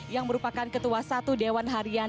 yang merupakan ketua satu dewan harian